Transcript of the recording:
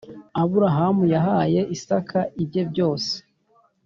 Aburahamu yahaye Isaka ibye byose